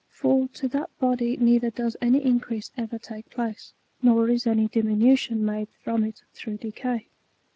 For to that body neither does any increase ever take place, nor is any diminution made /ram it through decay.